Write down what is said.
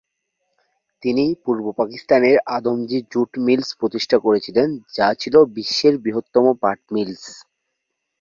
তিনি পূর্ব পাকিস্তানের Adamjee jute mills প্রতিষ্ঠা করেছিলেন যা ছিল বিশ্বের বৃহত্তম পাট মিলস।